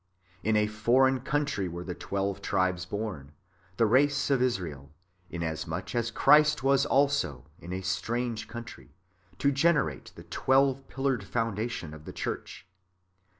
In a foreign country were the twelve tribes born, the race of Israel, inasmuch as Christ was also, in a strange country, to generate the twelve pillared foundation of the church.